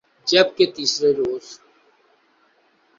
جب کہ تیسرے روز